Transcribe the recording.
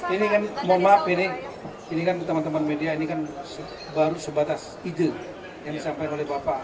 ini kan mohon maaf ini ini kan teman teman media ini kan baru sebatas ide yang disampaikan oleh bapak